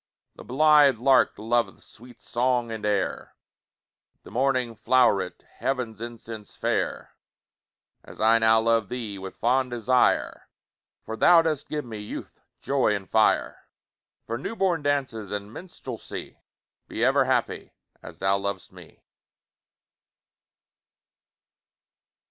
The blithe lark loveth Sweet song and air, The morning flow'ret Heav'n's incense fair, As I now love thee With fond desire, For thou dost give me Youth, joy, and fire, For new born dances And minstrelsy. Be ever happy, As thou lov'st me!